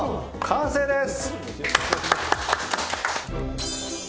完成です。